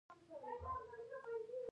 د نورو چارو په بس کولو تاسې خبرې کوونکي ته